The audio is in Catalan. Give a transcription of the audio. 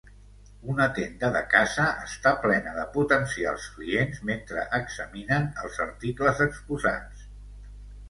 Una tenda de caça està plena de potencials clients mentre examinen els articles exposats.